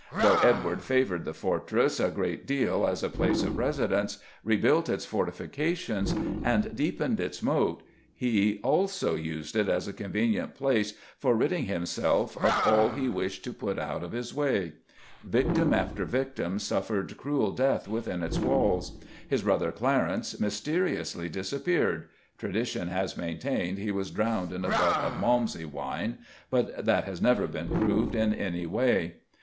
Though Edward favoured the fortress a good deal as a place of residence, rebuilt its fortifications and deepened its moat, he also used it [Illustration: PORTION OF THE ARMOURY, WHITE TOWER] as a convenient place for ridding himself of all he wished to put out of his way. Victim after victim suffered cruel death within its walls. His brother Clarence mysteriously disappeared tradition has maintained he was drowned in a butt of Malmsey wine, but that has never been proved in any way.